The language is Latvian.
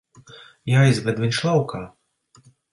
Jāizved viņš laukā.